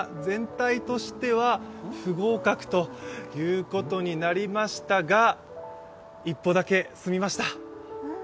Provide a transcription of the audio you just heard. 全体としては不合格ということになりましたが、一歩だけ進みました。